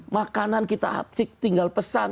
makanan kita abjek tinggal pesan